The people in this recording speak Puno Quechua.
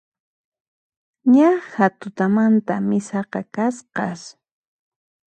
Naqha tutamanta misaqa kasqas